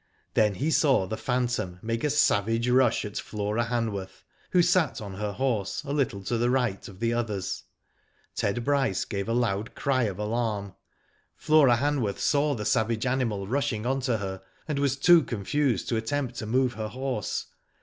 Then he saw the phantom make a savage rush at Flora Hanworth, who sat on her horse a little to the right of the others. Ted Bryce gave a loud cry of alarm. Flora Hanworth saw the savage animal rushing on to her, and was too confused to attempt to move her horse.